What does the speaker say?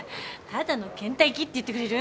ただの倦怠期って言ってくれる？